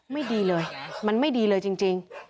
ไม่ดีเลยมันไม่ดีเลยจริง